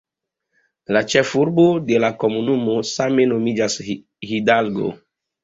La ĉefurbo de la komunumo same nomiĝas "Hidalgo".